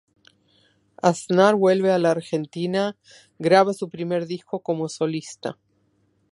Aznar vuelve a la Argentina; graba su primer disco como solista.